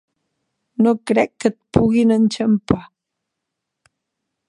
No crec que et puguin enxampar.